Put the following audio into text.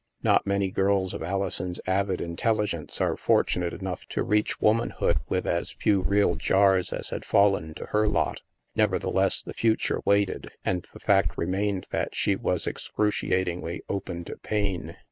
Not many girls of Alison's avid intelligence are fortunate enough to reach womanhood with as few real jars as had fallen to her lot. Nevertheless, the future waited, and the fact remained that she was excruciatingly open to pain.